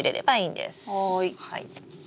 はい。